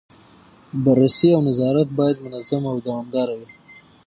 بررسي او نظارت باید منظم او دوامداره وي.